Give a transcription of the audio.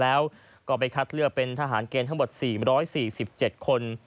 แล้วก็ไปคัดเลือกเป็นทหารเกณฑ์ทั้งหมด๔๔๗คน